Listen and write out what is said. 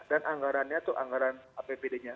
dan anggarannya itu anggaran apbd nya